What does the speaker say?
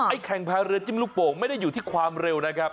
แข่งพายเรือจิ้มลูกโป่งไม่ได้อยู่ที่ความเร็วนะครับ